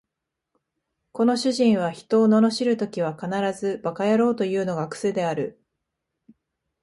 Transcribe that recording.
この主人は人を罵るときは必ず馬鹿野郎というのが癖である